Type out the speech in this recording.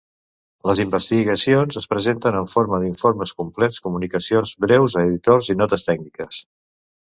Les investigacions es presenten en forma d'informes complets, comunicacions breus a l'editor i notes tècniques.